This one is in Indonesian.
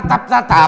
dan juga dalam